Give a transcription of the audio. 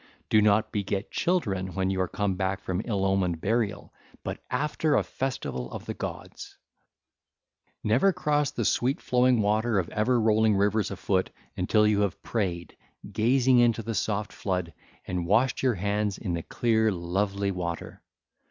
Do not beget children when you are come back from ill omened burial, but after a festival of the gods. (ll. 737 741) Never cross the sweet flowing water of ever rolling rivers afoot until you have prayed, gazing into the soft flood, and washed your hands in the clear, lovely water.